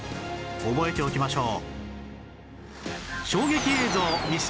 覚えておきましょう